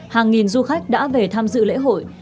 hàng nghìn du khách đã về tham dự lễ hội